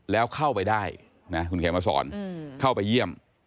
แล้วเข้าไปได้นะคุณเขียนมาสอนเข้าไปเยี่ยม